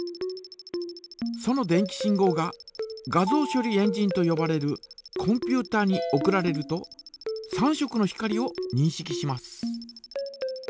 その電気信号が画像処理エンジンとよばれるコンピュータに送られると３色の光をにんしきします。